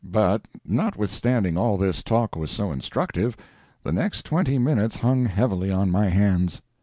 But, notwithstanding all this talk was so instructive, the next twenty minutes hung heavily on my hands.